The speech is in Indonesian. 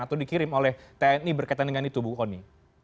atau dikirim oleh tni berkaitan dengan itu bu kony